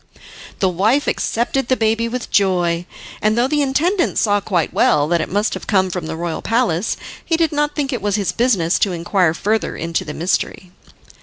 The wife accepted the baby with joy, and though the intendant saw quite well that it must have come from the royal palace, he did not think it was his business to inquire further into the mystery.